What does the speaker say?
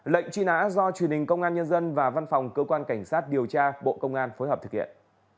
lệnh truy nã do truyền hình công an nhân dân và văn phòng cơ quan cảnh sát điều tra bộ công an phối hợp thực hiện